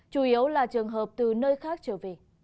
chủ yếu là trường hợp từ nơi khác trở về